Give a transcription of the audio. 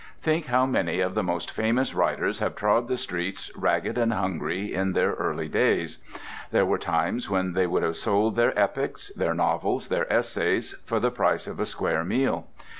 Think how many of the most famous writers have trod the streets ragged and hungry in their early days. There were times when they would have sold their epics, their novels, their essays, for the price of a square meal.